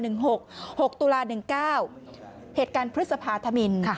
หรือ๖๑๙เหตุการณ์พฤษภาธมิน